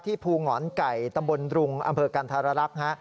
ที่ภูหงรไก่ตำบลรุงอำเภอกันธารรักษ์